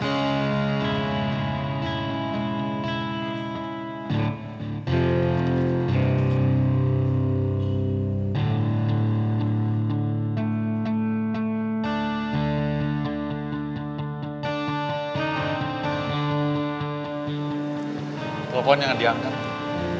tolong jangan diangkat